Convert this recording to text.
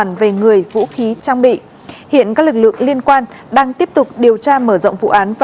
nhân viên lễ tân